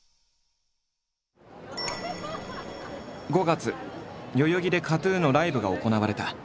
５月代々木でＫＡＴ−ＴＵＮのライブが行われた。